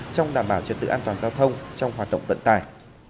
trong đảm bảo trật tự an toàn giao thông trong hoạt động vận tải